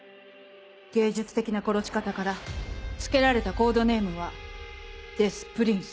芸術的な殺し方から付けられたコードネームは「デス・プリンス」。